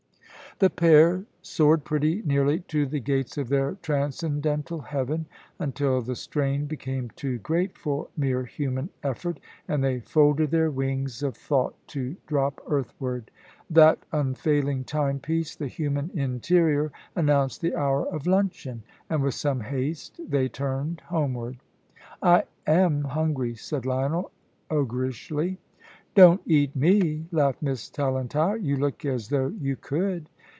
The pair soared pretty nearly to the gates of their transcendental heaven, until the strain became too great for mere human effort, and they folded their wings of thought to drop earthward. That unfailing timepiece, the human interior, announced the hour of luncheon, and with some haste they turned homeward. "I am hungry," said Lionel, ogreishly. "Don't eat me," laughed Miss Tallentire; "you look as though you could!"